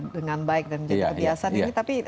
dengan baik dan jadi kebiasaan tapi